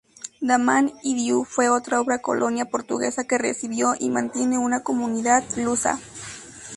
Damán y Diu fue otra colonia portuguesa, que recibió y mantiene una comunidad lusa.